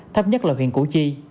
thấp nhất là huyện củ chi